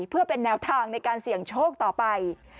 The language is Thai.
เพื่อเป็นแนวทางในการเสี่ยงโชคต่อไป